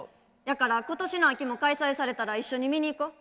やから今年の秋も開催されたら一緒に見に行こう。